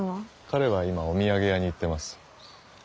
彼は今お土産屋に行ってます。